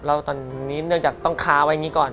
แล้วตอนนี้เนื่องจากต้องค้าไว้อย่างนี้ก่อน